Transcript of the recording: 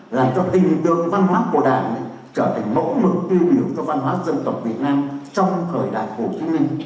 là cho tình tượng văn hóa của đảng trở thành mẫu mực tiêu biểu cho văn hóa dân tộc việt nam trong thời đại của chúng mình